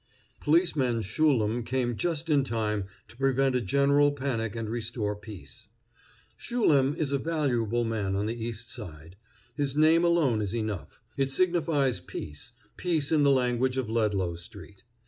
Policeman Schulem came just in time to prevent a general panic and restore peace. Schulem is a valuable man on the East Side. His name alone is enough. It signifies peace peace in the language of Ludlow street.